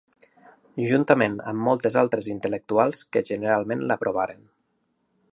Juntament amb molts altres intel·lectuals que generalment l'aprovaren.